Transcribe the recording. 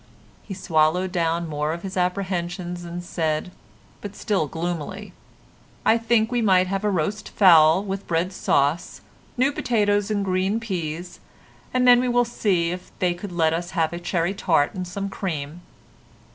He swallowed down more of his apprehensions and said, but still gloomily, "I think we might have a roast fowl with bread sauce, new potatoes and green peas, and then we will see if they could let us have a cherry tart and some cream."